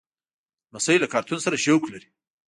لمسی له کارتون سره شوق لري.